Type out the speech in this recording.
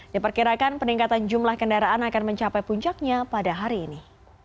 diperkirakan peningkatan jumlah kendaraan akan mencapai puncaknya pada hari ini